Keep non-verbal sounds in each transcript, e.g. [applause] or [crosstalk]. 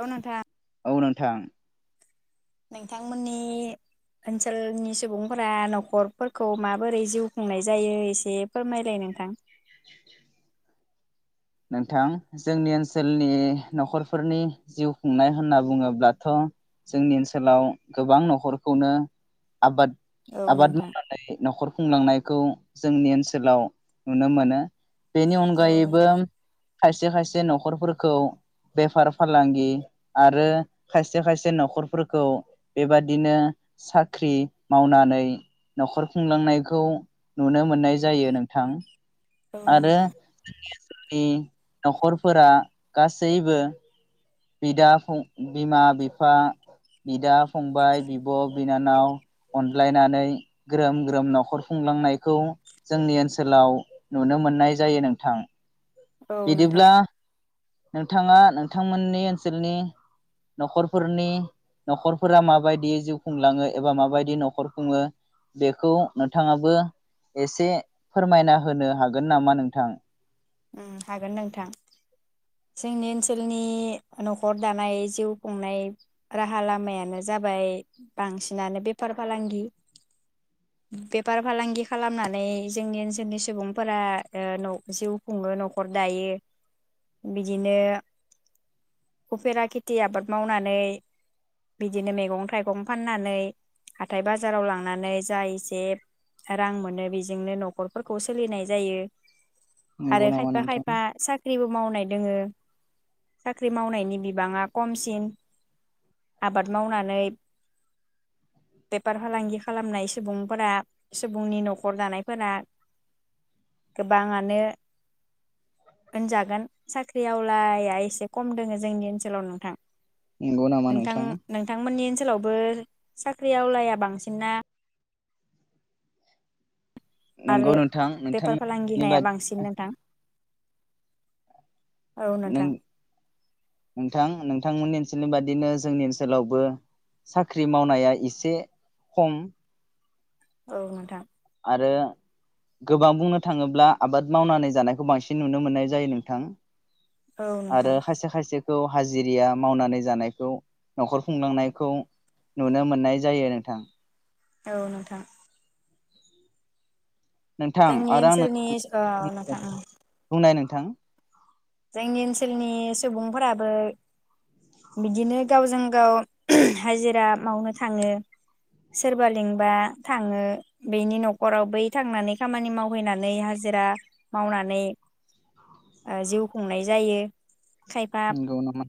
औ नोंथां औ नोंथां। नोंथांमोननि ओनसोलनि सुबुंफोरा न'खरफोरखौ माबोरै जिउ खुंनाय जायो एसे फोरमायलाय नोंथां। [inaudible] नोंथां जोंनि ओनसोलनि नखरफोरनि जिउ खुंनाय होनना बुङोब्लाथ जोंनि ओनसोलाव गोबां नखरखौनो आबाद औ आबाद नोंथां। मावनानै न'खर खुंलांनायखौ जोंनि ओनसोलाव नुनो मोनो बेनि औ अनगायैबो नोंथां खायसे खायसे न'खरफोरखौ बेफार फालांगि आरो खायसे खायसे न'खरफोरखौ बेबादिनो साख्रि मावनानै नखर खुंलांनायखौ नुनो मोननाय जायो नोंथां। औ आरो नोंथां जोंनि नि न'खरफोरा गासैबो बिदा फं बिमा बिफा बिदा फंबाय बिब बिनानाव अनज्लायनानै ग्रोम ग्रोम नखर खुंलांनायखौ जोंनि ओनसोलाव नुनो मोननाय जायो नोंथां। औ बिदिब्ला नोंथां। नोंथाङा नोंथांमोननि नि ओनसोलनि न'खरफोरनि न'खरफ्रा माबायदि जिउ खुंलाङो एबा माबायदि नखर खुङो बेखौ नोंथाङाबो एसे फोरमायना होनो हागोन नामा नोंथां? उम हागोन नोंथां जोंनि ओनसोलनि नखर दानाय जिउ खुंनाय राहा लामायानो जाबाय बांसिनानो बेफार फालांगि बेफार फालांगि खालामनानै जोंनि ओनसोलनि सुबुंफोरा ओ न जिउ खुङो नखर दायो बिदिनो उफेरा खेथि आबाद मावनानै बिदिनो मैगं थाइगं फाननानै हाथाय बाजाराव लांनानै जा एसे रां मोनो बेजोंनो नखरफोरखौ सोलिनाय जायो। नंगौ आरो नामा खायफा नोंथां खायफा साख्रिबोब मावनाय दोङो साख्रि मावनायनि बिबाङा खमसिन आबाद मावनानै बेफार फालांगि खालामनाय सुबुंफोरा सुबुंनि नखर दानायफोरा गोबाङानो होनजागोन साख्रि आवलाया एसे खम दङो जोंनि ओनसोलाव नोंथां। नंगौ नामा नोंथां नोंथांमोननि ओनसोलावबो साख्रियावलाया बांसिना नंगौ आरो नोंथां बेफार फालांगि नोंथांमोननि बादि बांसिन नोंथां औ नों नोंथां नोंथां नोंथांमोननि ओनसोलनि बादिनो जोंनि ओनसोलावबो साख्रि मावनाया एसे खम औ नोंथां। आरो गोबां बुंनो थाङोब्ला आबाद मावनानै जानायखौ बांसिन नुनो मोननाय जायो नोंथां औ नोंथां आरो हायसे हायसे खौ हाजिरिया मावनानै जानायखौ नखर खुंलांनायखौ नुनो मोननाय जायो नोंथां। औ नोंथां नोंथां जोंनि आरो आं नों ओनसोलनि औ नोंथां औ [unintelligible] थां जोंनि ओनसोलनि सुबुंफोराबो बिदिनो गावजों गाव हाजिरा मावनो थांङो सोरबा लिंबा थांङो बेनि नखराव बै थांनानै खामानि मावहैनानै हाजिरा मावनानै ओ जिउ संनाय जायो। खायफा नोंगौ‌ नामा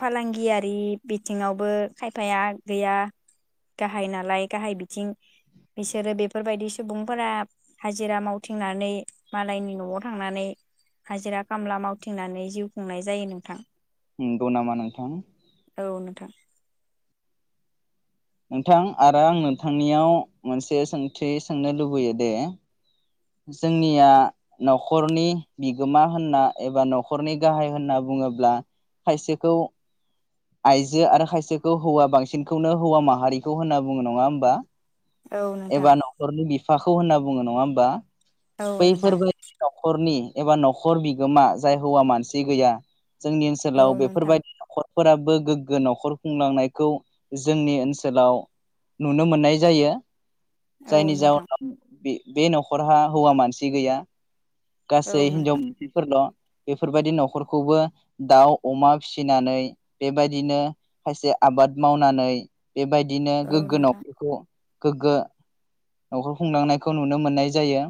फालांगियारि बिथिङावबो खायफाया गैया गाहाय नालाय गाहाय बिथिं बिसोरो बेफोरबायदि सुबुंफोरा हाजिरा मावथिंनानै मालायनि नआव थांनानै हाजिरा खामला मावथिंनानै जिउ खुंनाय जायो नोंथां। नोंगौ नामा नोंथां औ नोंथां नोंथां आरो आं नोंथांनियाव मोनसे सोंथि सोंनो लुबैयो दे जोंनिया नखरनि बिगोमा होनना एबा नखरनि गाहाय होनना बुङोब्ला खायसेखौ आइजो आरो खायसेखौ हौवा बांसिनखौनो हौवा माहारिखौ होनना बुंङो नंङा होमबा? औ एबा नखरनि बि फाखौ होनना बुङो नङा होमबा? नोंथां बैफोर बायदि न'खरनि एबा न'खर बिगोमा जाय हौवा मानसि गैया जोंनि औ ओनसोलाव नोंथां बेफोरबायदि न'खर फोराबो गोग्गो न'खर खुंलांनायखौ जोंनि ओनसोलाव नुनो मोननाय जायो। औ जायनि नोंथां जाउनाव बे बे न'खरहा हौवा मानसि गैया औ गासै नोंथां हिनजाव [unintelligible] फोरल' बेफोरबायदि न'खरखौबो दाउ अमा फिसिनानै बेबायदिनो खायसे आबाद मावनानै बेबायदिनो औ गोग्गो नोंथां न'खरखौ गोग्गो न'खर खुंलांनायखौ नुनो मोननाय जायो।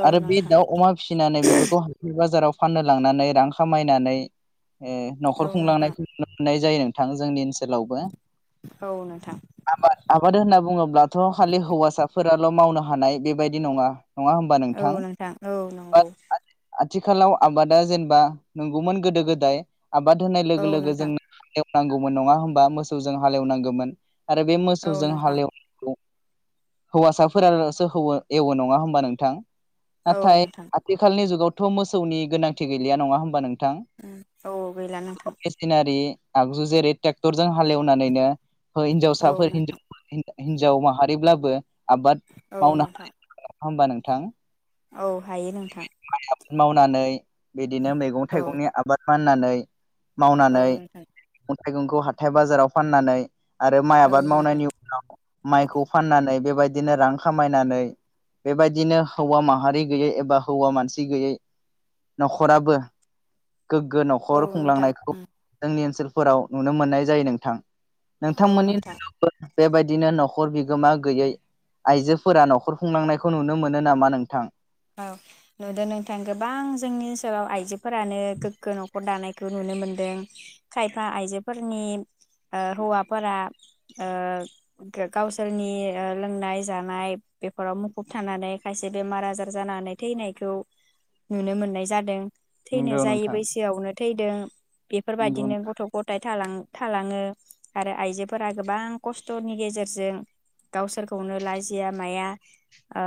औ आरो बे नोंथां दाउ अमा फिसिनानै बेफोरखौ हाथाय बाजाराव फाननो लांनानै रां खामायनानै ए न'खर औ नोंथां खुंलांनायखौ नुनो मोनना जायो नोंथां जोंनि ओनस लावबो औ नोंथां आबाद आबाद होनना थ खालि हौवासाफोराल' मावनो हानाय बेबायदि नङा नङा होमबा औ नोंथां औ नं औ आथिखालाव आबादा जेनबा नंगौमोन गोदो गोदाय आबाद होनाय औ लोगो लोगो नोंथां जोंनो नांगौमोन नङा होमबा मोसौजों हालेवनांगौमोन आरो बे औ मोसौजों नोंथां हालवनो हौवासाफोरलसो हौवा एवो नङा होमबा नोंथां औ नोंथां खालनि जुगावथ मोसौनि गोनांथि गैलिया नङा होमबा नोंथां औ गैला नोंथां [unintelligible] आगजु जेरै टेक्टरजों हालेवनानैनो औ हिनजावसाफोर हि नोंथां हिनजाव माहारिब्लाबो आबाद औ मावनो नोंथां हानाय होमबा नोंथां औ हायो नोंथां मावनानै बिदिनो मैगं औ थाइगंनि आबाद फाननानै। औ मावनानै नोंथां उ थाइगंखौ हाथाय बाजाराव फाननानै आरो माइ औ आबाद नोंथां मावनायनि उनाव माइखौ फाननानै बेबायदि बिदिनो रां खामायनानै बेबायदिनो हौवा माहारि गैयै एबा हौवा मानसि गैयै न'खराबो गोग्गो नखर औ नोंथां खुंलांनायखौ जोंनि ओनसोल फोराव नुनो मोननाय जायो नोंथां। औ नोंथांमोननि नोंथां ओनसोलावबो बेबायदिनो नखर बिगोमा गैयै आइजोफोरा न'खर खुंलांनायखौ नुनो मोनो नामा नोंथां। औ नुदों नोंथां गोबां जोंनि ओनसोलाव आइजो फोरानो गोग्गो नखर दानाय खौ नुनो मोनदों खायफा आइजोफोरनि ओ हौवाफोरा ओ गावसोरनि ओ लोंनाय जानाय बेफोराव मुखुब थानानै खायसे बेमार आजार जानानै थैनायखौ नुनो मोननाय जादों। थैनो नंगौ जायि नोंथां बैसोयावनो थैदों। बेफोर नंगौ बायदिनो गथ' ग'थाय थालां-थालाङो आरो आइजोफोरा गोबां कस्थ'नि गेजेरजों गावसोरखौनो लाजिया माया ओ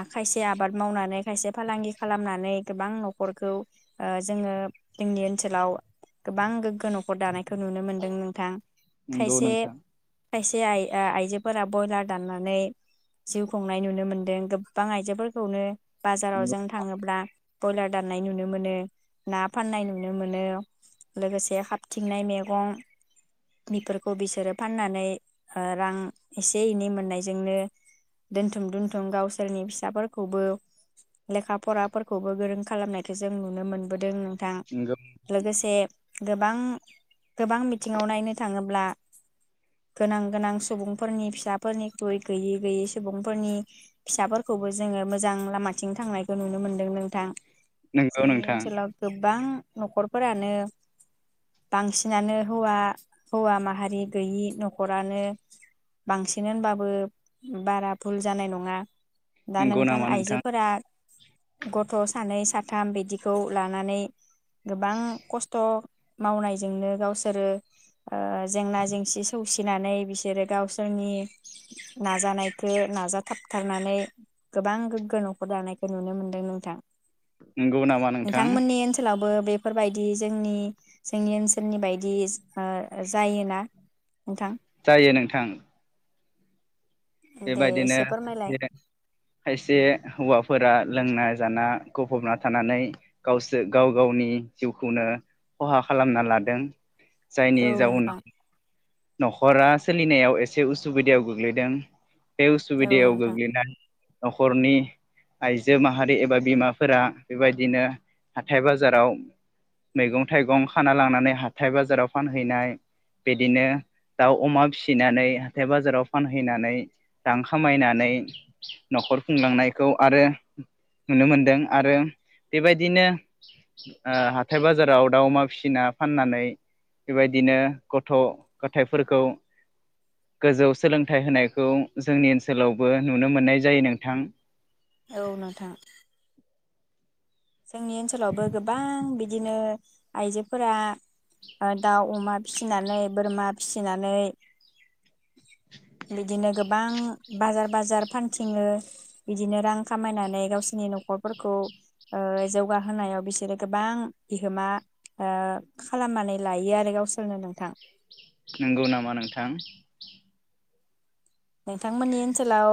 आखायसे आबाद मावनानै खायसे फालांगि खालामनानै गोबां न'खरखौ ओ जोङो जोंनि ओनसोलाव गोबां गोग्गो न'खर दानाय खौ नुनो मोनदों नोंथां नंगौ खायसे नोंथां खायसे आइ ओ आइजोफोरा बयलार दाननानै जिउ खुंनाय नुनो मोन्दों गोबां आइजोफोर खौनो। बाजाराव नंगौ जों थाङोब्ला। बयलार दाननाय नुनो मोनो ना फाननाय नुनो मोनो लोगोसे हाबथिंनाय मैगं बेफोरखौ बिसोरो फाननानै ओ रां एसे एनै मोननायजोंनो दोनथुम दोनथुम गावसोरनि फिसा खौबो लेखा फराफोरखौबो गोरों खालामनायखौ जों नुनो मोनबोदों। थां नंगौ लोगोसे गोबां गोबां बिथिङाव नायनो थाङोब्ला गोनां गोनां सुबुंफोरनि फिसाफोरनिख्रुइ गैयै गैयै सुबुंफोरनि फिसाफोरखौबो जोङो मोजां लामाथिं थांनायखौ नुनो मोनदों नों थां नंगौ जोंनि नोंथां ओनसोलाव गोबां। नखरफोरानो बांसिनानो हौवा हौवा माहारि गैयि नखरानो बांसिन होनबाबो बारा भुल जानाय नङा दा नंगौ नोंथां नामा आइजोफोरा गथ सानै सा थाम बिदिखौ लानानै गोबां कस्थ' मावनायजोंनो गावसोरो ओ जेंना जेंसि सौसिनानै बिसोरो गावसोरनि नाजानायखो नाजाथाबथारनानै गोबां गोग्गो नखर दानायखो नुनो मोनदो नोंथां। नोंगौ नामा नोंथां? फोरबायदि जोंनि जोंनि ओनसोलनि बायदि ओ जायोना नोंथां जायो नोंथां। दे बेबादिनो एसे फोरमायलाय जेरै खायसे हौवाफोरा लोंना जाना गफबना थानानै गावसो गाव गावनि जिउखौनो खहा खालामना लादों। जायनि औ नोंथां जाउनाव न'खरा सोलिनायाव इसे उसुबिदायाव गोग्लैदों। बे औ उसुबिदायाव नोंथां गोग्लैनानै नखरनि आइजो माहारि एबा बिमाफोरा बेबायदिनो हाथाय बाजाराव मैगं थाइगं खाना लांनानै हाथाय बाजाराव फानहैनाय बिदिनो दाउ अमा फिसिनानै हाथाय बाजाराव फानहैनानै रां खामायनानै नखर खुंलांनायखौ आरो नुनो मोनदों आरो बेबायदिनो ओ हाथाय बाजाराव दाउ अमा फिसिना फाननानै बेबायदिनो गथ गथायफोरखौ गोजौ सोलोंथाइ होनायखौ जोंनि ओनसोलावबो नुनो मोननाय जायो नोंथां। औ नोंथां जोंनि ओनसोलावबो गोबां बि बिदिनो आइजोफोरा ओ दाउ, अमा फिसिनानै बोरमा फिसिनानै बिदिनो गोबां बाजार बाजार फानथिङो बिदिनो रां खामायनानै गावसिनि न'खरफोरखौ ओ जौगाहोनायाव बिसोरो गोबां बिहोमा ओ खालामनानै लायो आरो गावसोरनो नोंथां। नोंगौ नामा नोंथां। नोंथांमोननि ओनसोलाव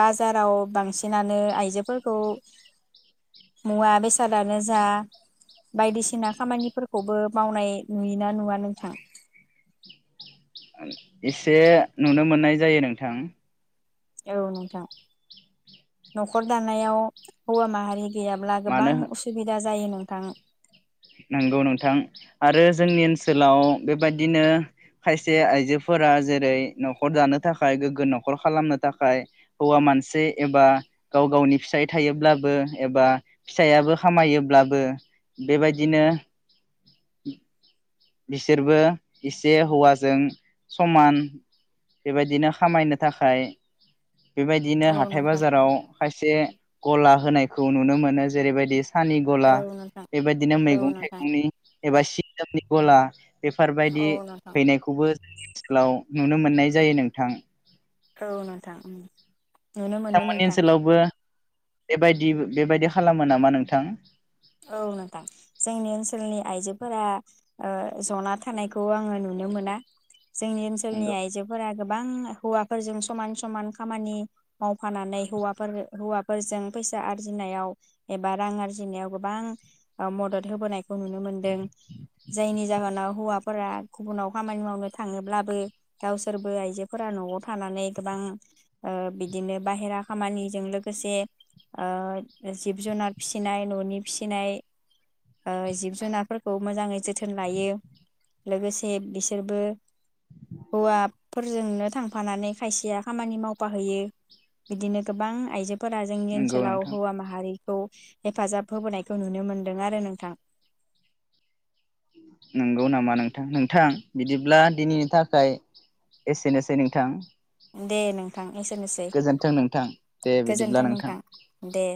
बाजाराव बांसिनानो आइजोफोरखौ मुवा बेसादानो जा बायदिसिना खामानिफोरखौबो मावनाय नुयोना नुवा नोंथां? एसे नुनो मोननाय जायो नोंथां। औ नोंथां न'खर दानायाव हौवा माहारि गैयाब्ला गोबां मानो उसुबिदा जायो नों नोंथां नोंगौ नोंथां आरो जोंनि ओनसोलाव बेबायदिनो खायसे आइजोफोरा जेरै न'खर दानो थाखाय गोग्गो न'खर खालामनो थाखाय हौवा मानसि एबा गाव गावनि फिसाय थायोब्लाबो एबा फिसायाबो खामायोब्लाबो बेबायद दिनो बिसोरबो इसे हौवाजों समान बेबायदिनो खामायनो थाखाय बेबायदिनो औ हाथाय नोंथां बाजाराव खायसे गला होनायखौ नुनो मोनो जेरैबायदि सानि औ गला नोंथां बेबायदिनो औ मैगं नोंथां थाइगंनि एबा सि गला औ बेफारबायदि नोंथां फैनायखौबो [inaudible] ओनसोलाव नुनो मोननाय जायो नोंथां। औ नोंथां ओम साम'नि ओनसोलावबो बेबायदि बेबायदि खालामो नामा नोंथां? औ नोंथां जोंनि ओनसोलनि आइजोफोरा ओ जना थानायखौ आङो नुनो मोना। जोंनि ओनसोलनि नंगौ आइजोफोरा गोबां हौवाफोरजों समान समान खामानि मावफानानै हौवाफोर हौवाफोरजों फैसा आरजिनायाव एबा रां आरजिनायाव गोबां मदद होबोनायखौ नुनो मोनदों जायनि जाहोनाव हौवाफोरा गुबुनाव खामानि मावनो थाङोब्लाबो गावसोरबो आइजोफोरा न'आव थानानै गोबां ओ बिदिनो बाहेरा खामानिजों लोगोसे ओ जिब जुनार फिसिनाय न'नि फिसिनाय ओ जिब जुनारफोरखौ मोजाङै जोथोन लायो लोगोसे बिसोरबो हौवाफोरजोंनो थांफानानै खायसेया खामानि मावफााहैयो बिदिनो गोबां आइजोब फोरा जोंनि नंगौ ओनसोलाव नोंथां हौवा माहारि खौ हेफाजाब फोबोनायखौ नुनो मोनदों आरो नोंथां नंगौ नामा नोंथां नोंथां बिदिब्ला दिनैनि थाखाय एसेनोसै नोंथां। दे नों गोजोन्थों नोंथां दे बिदिब्ला नोंथां। दे